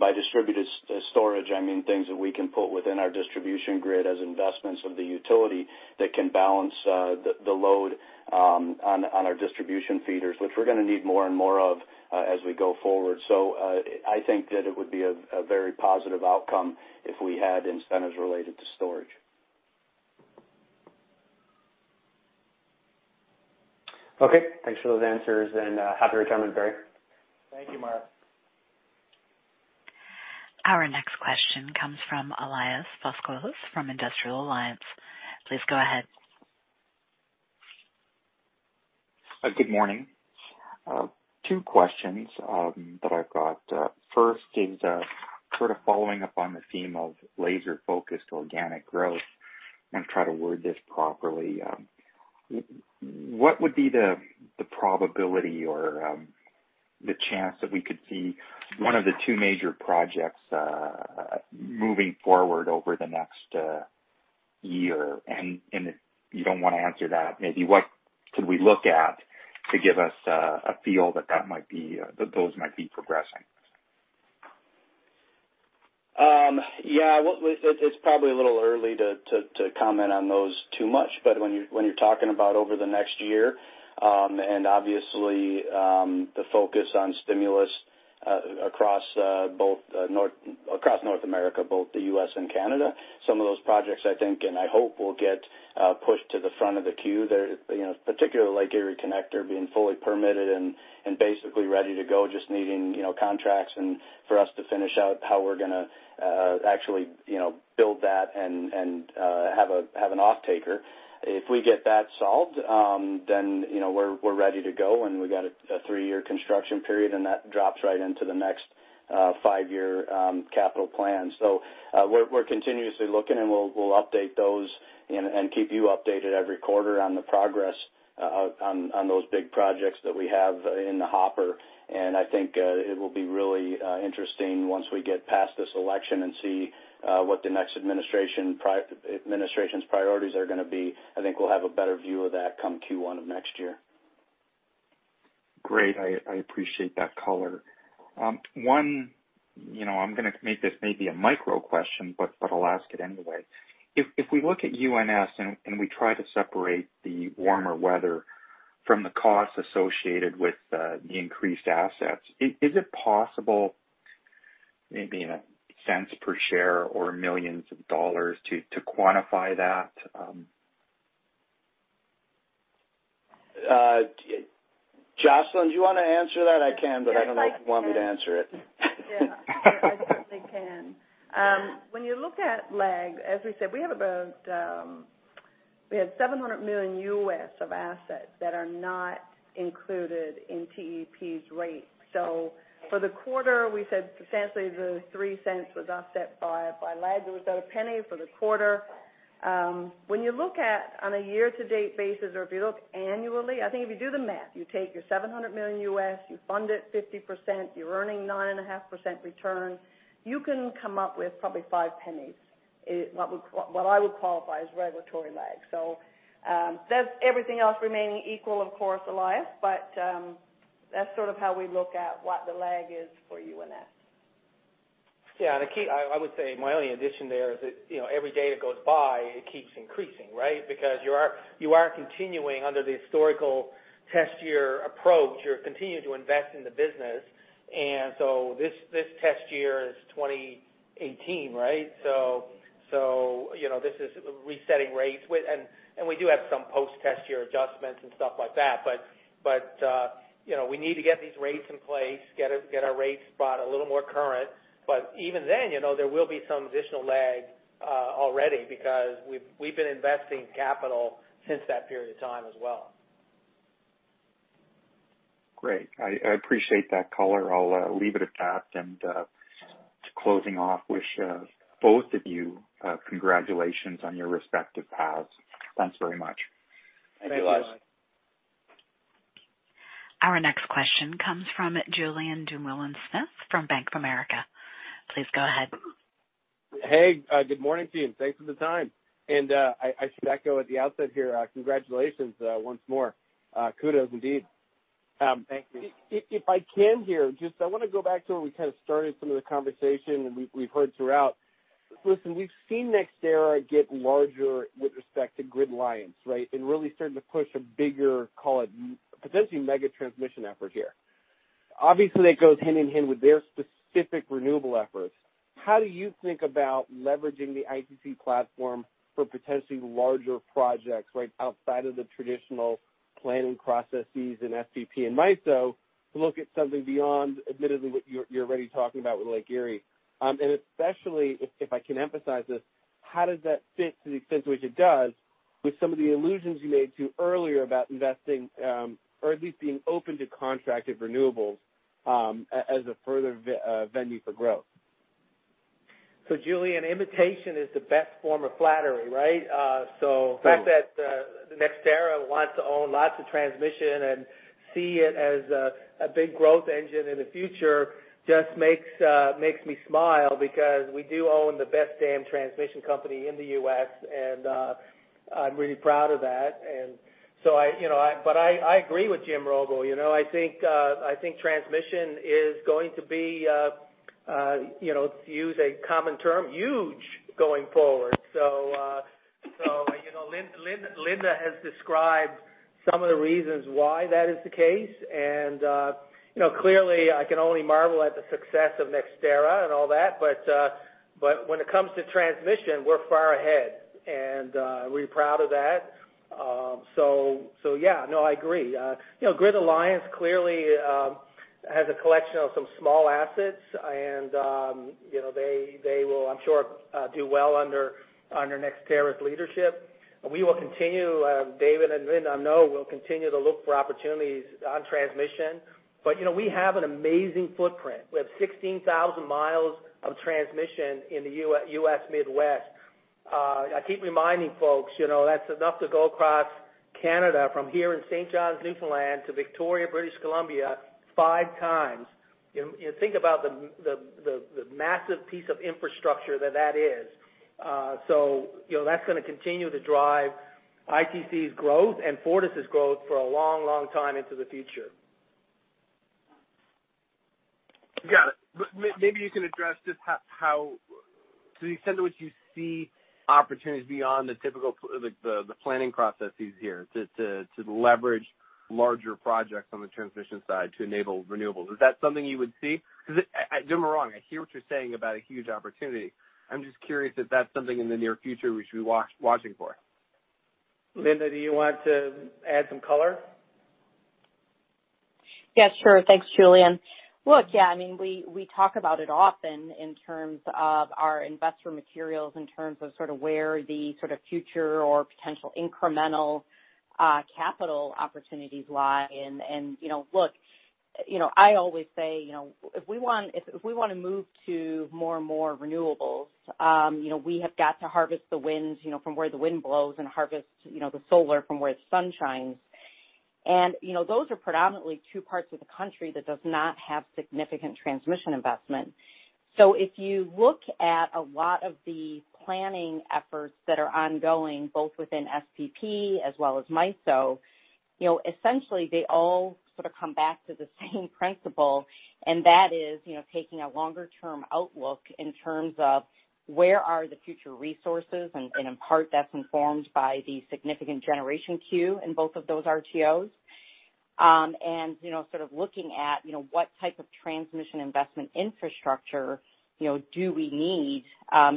By distributed storage, I mean things that we can put within our distribution grid as investments of the utility that can balance the load on our distribution feeders, which we're going to need more and more of as we go forward. I think that it would be a very positive outcome if we had incentives related to storage. Okay. Thanks for those answers, and have a good time with Barry. Thank you, Mark. Our next question comes from Elias Foscolos from Industrial Alliance. Please go ahead. Good morning. Two questions that I've got. First is sort of following up on the theme of laser-focused organic growth and try to word this properly. What would be the probability or the chance that we could see one of the two major projects moving forward over the next year? If you don't want to answer that, maybe what could we look at to give us a feel that those might be progressing? Yeah. It's probably a little early to comment on those too much. When you're talking about over the next year, and obviously, the focus on stimulus across North America, both the U.S. and Canada, some of those projects I think and I hope will get pushed to the front of the queue there, particularly Lake Erie Connector being fully permitted and basically ready to go, just needing contracts and for us to finish out how we're going to actually build that and have an off-taker. If we get that solved, then we're ready to go, and we've got a three-year construction period, and that drops right into the next five-year capital plan. We're continuously looking, and we'll update those and keep you updated every quarter on the progress on those big projects that we have in the hopper. I think it will be really interesting once we get past this election and see what the next administration's priorities are going to be. I think we'll have a better view of that come Q1 of next year. Great. I appreciate that color. One, I'm going to make this maybe a micro question, but I'll ask it anyway. If we look at UNS and we try to separate the warmer weather from the costs associated with the increased assets, is it possible, maybe in a cents per share or millions of dollars to quantify that? Jocelyn, do you want to answer that? I can, but I don't know if you want me to answer it. I certainly can. When you look at lag, as we said, we have about $700 million of assets that are not included in TEP's rate. For the quarter, we said substantially the $0.03 was offset by lag. It was about $0.01 for the quarter. When you look at on a year-to-date basis or if you look annually, I think if you do the math, you take your $700 million, you fund it 50%, you're earning 9.5% return. You can come up with probably $0.05, what I would qualify as regulatory lag. That's everything else remaining equal, of course, Elias, but that's sort of how we look at what the lag is for UNS. Yeah. The key, I would say my only addition there is that every day that goes by, it keeps increasing, right? Because you are continuing under the historical test year approach. You're continuing to invest in the business. This test year is 2018, right? This is resetting rates. We do have some post-test year adjustments and stuff like that. We need to get these rates in place, get our rates brought a little more current. Even then, there will be some additional lag already because we've been investing capital since that period of time as well. Great. I appreciate that color. I'll leave it at that, and to closing off, wish both of you congratulations on your respective paths. Thanks very much. Thank you. Thanks a lot. Our next question comes from Julien Dumoulin-Smith from Bank of America. Please go ahead. Hey, good morning to you, thanks for the time. I should echo at the outset here, congratulations once more. Kudos indeed. Thank you. If I can here, just I want to go back to where we kind of started some of the conversation and we've heard throughout. Listen, we've seen NextEra get larger with respect to GridLiance, right? Really starting to push a bigger, call it, potentially mega transmission effort here. Obviously, that goes hand-in-hand with their specific renewable efforts. How do you think about leveraging the ITC platform for potentially larger projects right outside of the traditional planning processes in SPP and MISO to look at something beyond, admittedly, what you're already talking about with Lake Erie? Especially, if I can emphasize this, how does that fit, to the extent to which it does, with some of the allusions you made to earlier about investing or at least being open to contracted renewables, as a further venue for growth? Julien, imitation is the best form of flattery, right? True. The fact that NextEra wants to own lots of transmission and see it as a big growth engine in the future just makes me smile because we do own the best damn transmission company in the U.S., and I'm really proud of that. I agree with Jim Robo. I think transmission is going to be, to use a common term, huge going forward. Linda has described some of the reasons why that is the case. Clearly, I can only marvel at the success of NextEra and all that, but when it comes to transmission, we're far ahead, and we're proud of that. Yeah, no, I agree. GridLiance clearly has a collection of some small assets and they will, I'm sure, do well under NextEra's leadership. We will continue, David and Linda know we'll continue to look for opportunities on transmission. We have an amazing footprint. We have 16,000 mi of transmission in the U.S. Midwest. I keep reminding folks, that's enough to go across Canada from here in St. John's, Newfoundland, to Victoria, British Columbia, five times. Think about the massive piece of infrastructure that that is. That's going to continue to drive ITC's growth and Fortis's growth for a long time into the future. Got it. Maybe you can address just how, to the extent to which you see opportunities beyond the typical planning processes here to leverage larger projects on the transmission side to enable renewables. Is that something you would see? Don't get me wrong, I hear what you're saying about a huge opportunity. I'm just curious if that's something in the near future we should be watching for. Linda, do you want to add some color? Yeah, sure. Thanks, Julien. Look, yeah, we talk about it often in terms of our investor materials, in terms of sort of where the sort of future or potential incremental capital opportunities lie. Look, I always say, if we want to move to more and more renewables, we have got to harvest the winds from where the wind blows and harvest the solar from where the sun shines. Those are predominantly two parts of the country that does not have significant transmission investment. If you look at a lot of the planning efforts that are ongoing, both within SPP as well as MISO, essentially they all sort of come back to the same principle, and that is taking a longer-term outlook in terms of where are the future resources, and in part, that's informed by the significant generation queue in both of those RTOs. Sort of looking at what type of transmission investment infrastructure do we need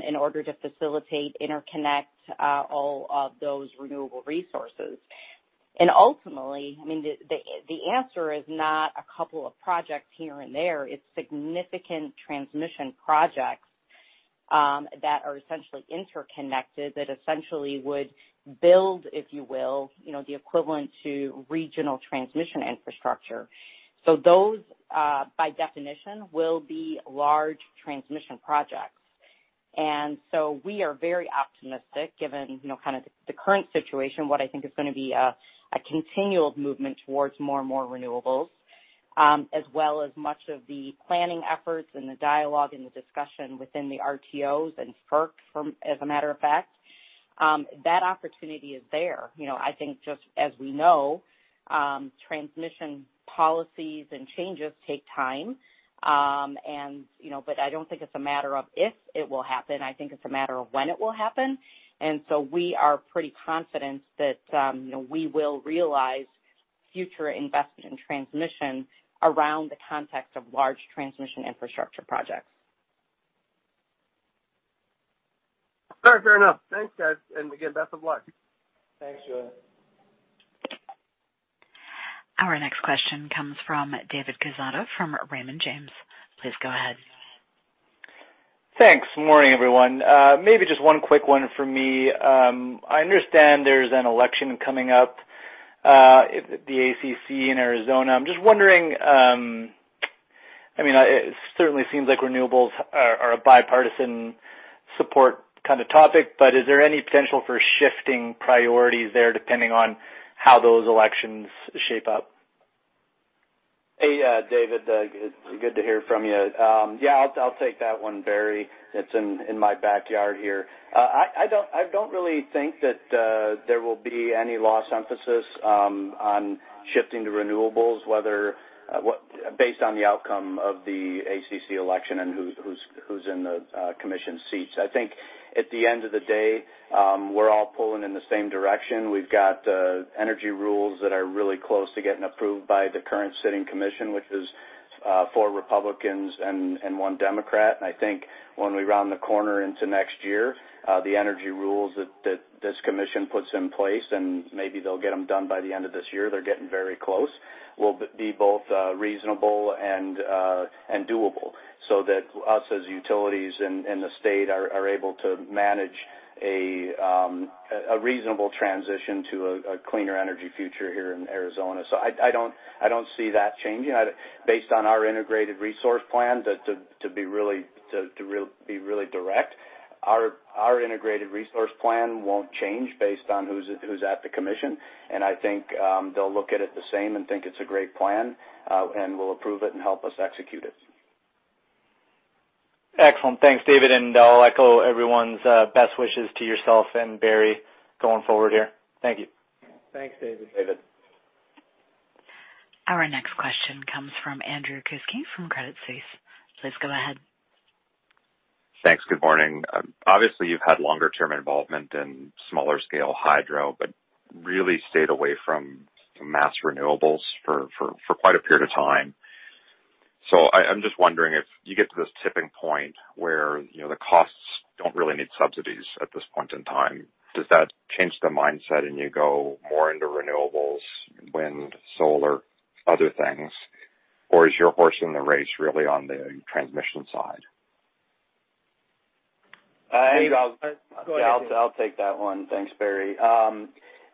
in order to facilitate, interconnect all of those renewable resources. Ultimately, the answer is not a couple of projects here and there. It's significant transmission projects that are essentially interconnected, that essentially would build, if you will, the equivalent to regional transmission infrastructure. Those, by definition, will be large transmission projects. We are very optimistic given kind of the current situation, what I think is going to be a continual movement towards more and more renewables, as well as much of the planning efforts and the dialogue and the discussion within the RTOs and FERC, as a matter of fact. That opportunity is there. I think just as we know, transmission policies and changes take time. I don't think it's a matter of if it will happen. I think it's a matter of when it will happen. We are pretty confident that we will realize future investment in transmission around the context of large transmission infrastructure projects. All right, fair enough. Thanks, guys. Again, best of luck. Thanks, Julien. Our next question comes from David Quezada from Raymond James. Please go ahead. Thanks. Morning, everyone. Maybe just one quick one from me. I understand there is an election coming up, the ACC in Arizona. I am just wondering, it certainly seems like renewables are a bipartisan support kind of topic, but is there any potential for shifting priorities there depending on how those elections shape up? Hey, David. Good to hear from you. Yeah, I'll take that one, Barry. It's in my backyard here. I don't really think that there will be any lost emphasis on shifting to renewables, based on the outcome of the ACC election and who's in the commission seats. I think at the end of the day, we're all pulling in the same direction. We've got energy rules that are really close to getting approved by the current sitting commission, which is four Republicans and one Democrat. I think when we round the corner into next year, the energy rules that this commission puts in place, and maybe they'll get them done by the end of this year, they're getting very close, will be both reasonable and doable, so that us as utilities in the state are able to manage a reasonable transition to a cleaner energy future here in Arizona. I don't see that changing based on our integrated resource plan, to be really direct. Our integrated resource plan won't change based on who's at the commission, and I think they'll look at it the same and think it's a great plan, and will approve it and help us execute it. Excellent. Thanks, David, and I'll echo everyone's best wishes to yourself and Barry going forward here. Thank you. Thanks, David. Our next question comes from Andrew Kuske from Credit Suisse. Please go ahead. Thanks. Good morning. Obviously, you've had longer-term involvement in smaller-scale hydro, but really stayed away from mass renewables for quite a period of time. I'm just wondering if you get to this tipping point where the costs don't really need subsidies at this point in time. Does that change the mindset and you go more into renewables, wind, solar, other things? Or is your horse in the race really on the transmission side? Go ahead. I'll take that one. Thanks, Barry.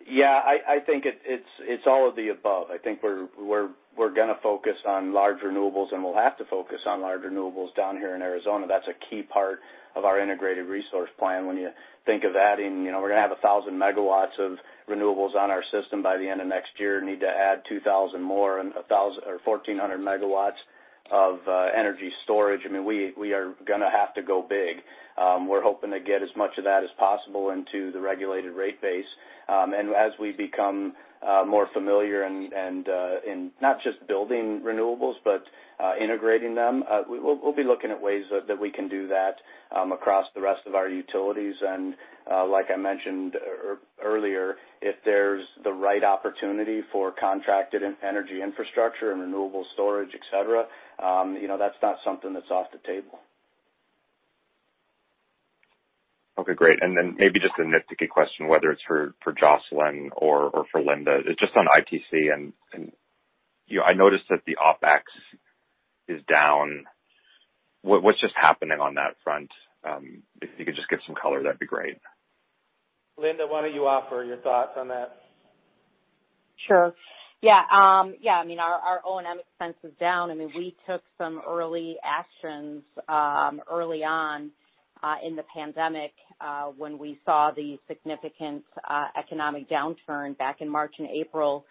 I think it's all of the above. I think we're going to focus on large renewables, and we'll have to focus on large renewables down here in Arizona. That's a key part of our Integrated Resource Plan. When you think of adding, we're going to have 1,000 MW of renewables on our system by the end of next year, need to add 2,000 MW more and 1,400 MW of energy storage. We are going to have to go big. We're hoping to get as much of that as possible into the regulated rate base. As we become more familiar and in not just building renewables, but integrating them, we'll be looking at ways that we can do that across the rest of our utilities. Like I mentioned earlier, if there's the right opportunity for contracted energy infrastructure and renewable storage, et cetera, that's not something that's off the table. Okay, great. Maybe just a nitpicky question, whether it's for Jocelyn or for Linda. Just on ITC, I noticed that the OpEx is down. What's just happening on that front? If you could just give some color, that'd be great. Linda, why don't you offer your thoughts on that? Sure. Yeah. Our O&M expense is down. We took some early actions early on in the pandemic when we saw the significant economic downturn back in March and April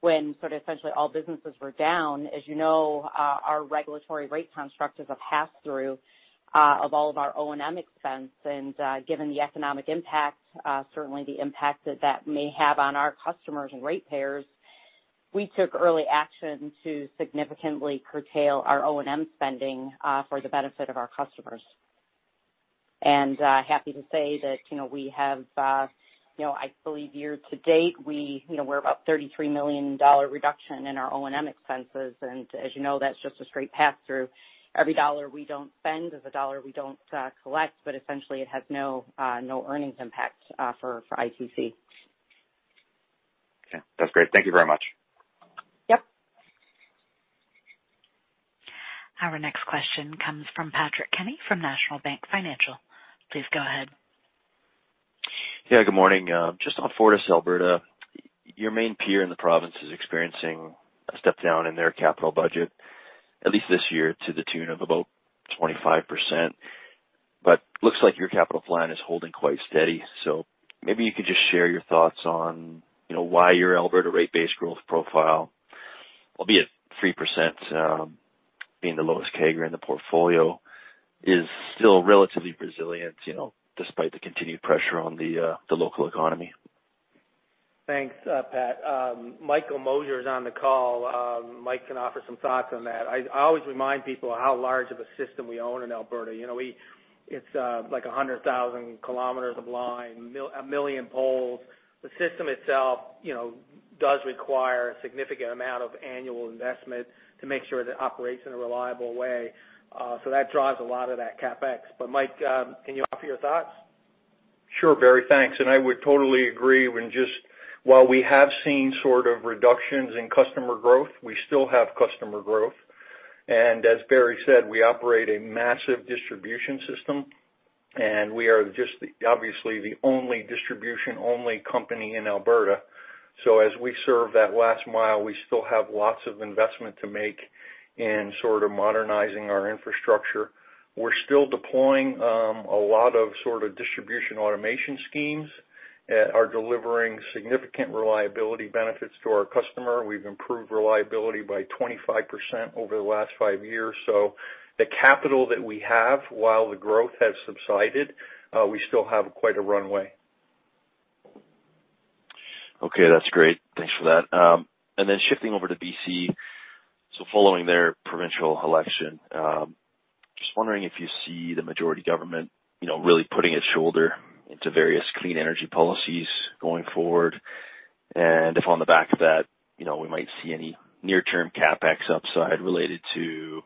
when essentially all businesses were down. As you know, our regulatory rate construct is a pass-through of all of our O&M expense. Given the economic impact, certainly the impact that that may have on our customers and ratepayers, we took early action to significantly curtail our O&M spending for the benefit of our customers. Happy to say that we have, I believe year to date, we're about 33 million dollar reduction in our O&M expenses. As you know, that's just a straight pass-through. Every dollar we don't spend is a dollar we don't collect, but essentially it has no earnings impact for ITC. Okay. That's great. Thank you very much. Yep. Our next question comes from Patrick Kenny from National Bank Financial. Please go ahead. Yeah, good morning. Just on FortisAlberta, your main peer in the province is experiencing a step down in their capital budget, at least this year, to the tune of about 25%. Looks like your capital plan is holding quite steady. Maybe you could just share your thoughts on why your Alberta rate base growth profile, albeit 3% being the lowest CAGR in the portfolio, is still relatively resilient despite the continued pressure on the local economy. Thanks, Pat. Michael Mosher is on the call. Mike can offer some thoughts on that. I always remind people how large of a system we own in Alberta. It's like 100,000 km of line, a million poles. The system itself does require a significant amount of annual investment to make sure that it operates in a reliable way. That drives a lot of that CapEx. Mike, can you offer your thoughts? Sure, Barry. Thanks. I would totally agree. While we have seen sort of reductions in customer growth, we still have customer growth. As Barry said, we operate a massive distribution system, and we are obviously the only distribution-only company in Alberta. As we serve that last mile, we still have lots of investment to make in sort of modernizing our infrastructure. We are still deploying a lot of distribution automation schemes that are delivering significant reliability benefits to our customer. We have improved reliability by 25% over the last five years. The capital that we have, while the growth has subsided, we still have quite a runway. Okay. That's great. Thanks for that. Shifting over to B.C. Following their provincial election, just wondering if you see the majority government really putting its shoulder into various clean energy policies going forward. If on the back of that, we might see any near-term CapEx upside related to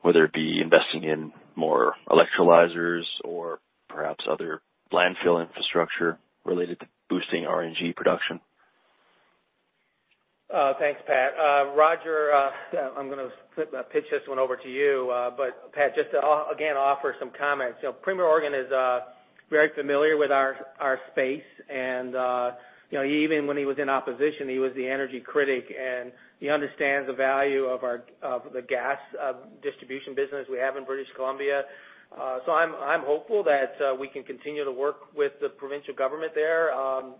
whether it be investing in more electrolyzers or perhaps other landfill infrastructure related to boosting RNG production. Thanks, Pat. Roger, I'm going to pitch this one over to you. Pat, just to, again, offer some comments. Premier Horgan is very familiar with our space, and even when he was in opposition, he was the energy critic, and he understands the value of the gas distribution business we have in British Columbia. I'm hopeful that we can continue to work with the provincial government there on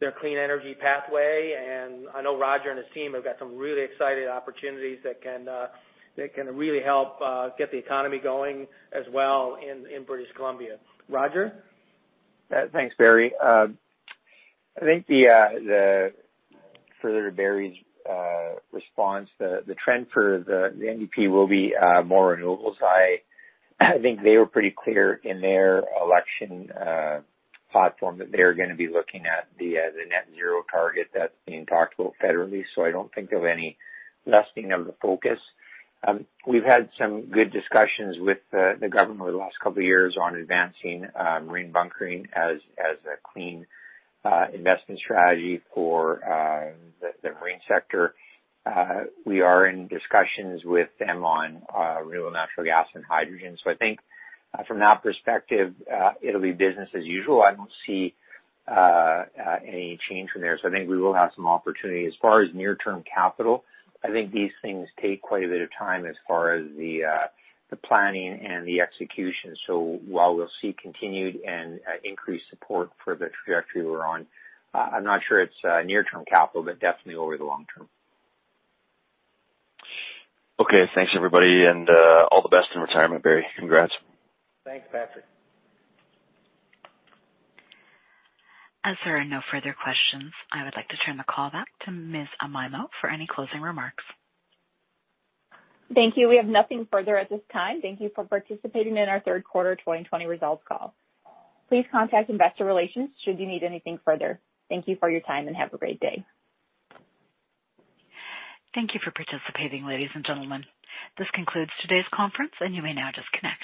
their clean energy pathway, and I know Roger and his team have got some really exciting opportunities that can really help get the economy going as well in British Columbia. Roger? Thanks, Barry. I think further to Barry's response, the trend for the NDP will be more renewables. I think they were pretty clear in their election platform that they're going to be looking at the net zero target that's being talked about federally. I don't think there'll be any lessening of the focus. We've had some good discussions with the government over the last couple of years on advancing marine bunkering as a clean investment strategy for the marine sector. We are in discussions with them on renewable natural gas and hydrogen. I think from that perspective, it'll be business as usual. I don't see any change from there. I think we will have some opportunity. As far as near-term capital, I think these things take quite a bit of time as far as the planning and the execution. While we'll see continued and increased support for the trajectory we're on, I'm not sure it's near-term capital, but definitely over the long term. Okay, thanks, everybody, and all the best in retirement, Barry. Congrats. Thanks, Patrick. As there are no further questions, I would like to turn the call back to Ms. Amaimo for any closing remarks. Thank you. We have nothing further at this time. Thank you for participating in our third quarter 2020 results call. Please contact investor relations should you need anything further. Thank you for your time, and have a great day. Thank you for participating, ladies and gentlemen. This concludes today's conference, and you may now disconnect.